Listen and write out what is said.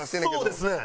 そうですね。